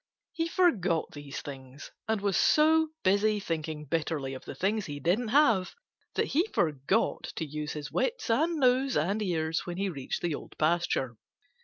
He forgot these things and was so busy thinking bitterly of the things he didn't have that he forgot to use his wits and nose and ears when he reached the Old Pasture.